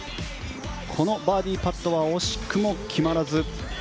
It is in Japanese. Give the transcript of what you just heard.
このバーディーパットは惜しくも決まらず。